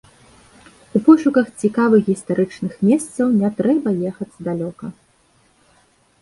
У пошуках цікавых гістарычных месцаў не трэба ехаць далёка.